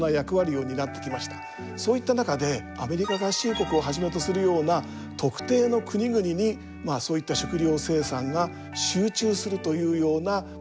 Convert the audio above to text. そういった中でアメリカ合衆国をはじめとするような特定の国々にそういった食料生産が集中するというような問題が出てきています。